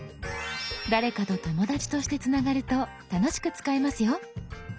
誰かと「友だち」としてつながると楽しく使えますよ。